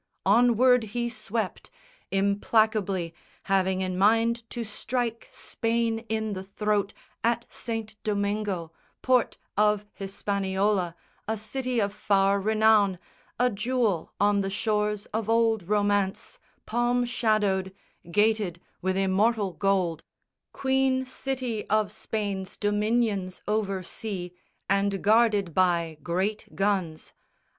Onward he swept, Implacably, having in mind to strike Spain in the throat at St. Domingo, port Of Hispaniola, a city of far renown, A jewel on the shores of old romance, Palm shadowed, gated with immortal gold, Queen city of Spain's dominions over sea, And guarded by great guns.